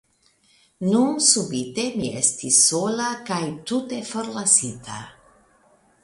Nun subite mi estis sola kaj tute forlasita.